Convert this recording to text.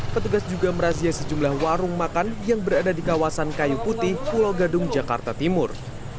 petugas juga merazia sejumlah warung makan yang berada di kawasan kayu putih pulau gadung jakarta timur